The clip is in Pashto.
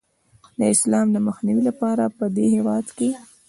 د اسلام د مخنیوي لپاره پدې هیواد کې